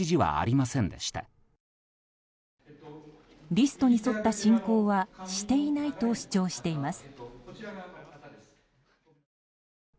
リストに沿った進行はしていないと主張しています。